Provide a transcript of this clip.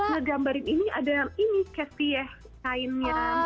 aku ngegambarin ini ada yang ini kasi ya kainnya